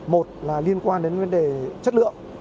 một là liên quan đến vấn đề chất lượng